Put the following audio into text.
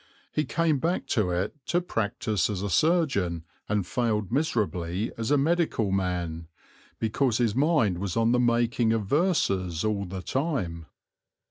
He came back to it to practise as a surgeon, and failed miserably as a medical man, because his mind was on the making of verses all the time.